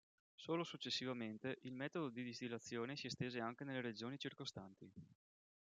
Solo successivamente, il metodo di distillazione si estese anche nelle regioni circostanti.